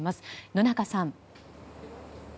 野中さん。